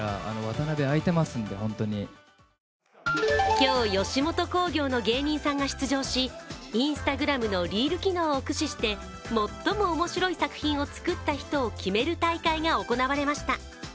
今日、吉本興業の芸人さんが出場し、Ｉｎｓｔａｇｒａｍのリール機能を駆使して最も面白い作品を作った人を決める大会が行われました。